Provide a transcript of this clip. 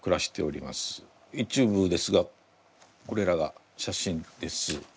一部ですがこれらが写真です。